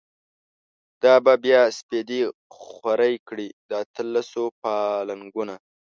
دا به بیا سپیدی خوری کړی، د اطلسو پا لنگونه